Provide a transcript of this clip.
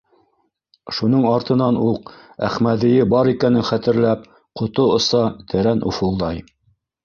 Шуның артынан уҡ, Әхмәҙийе бар икәнен хәтерләп, ҡото оса, тәрән уфылдай.